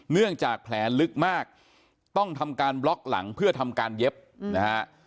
เนื่องจากแผลลึกมากต้องทำการบล็อกหลังเพื่อทำการเย็บนะฮะ